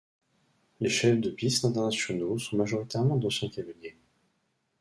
Les chefs de piste internationaux sont majoritairement d'anciens cavaliers.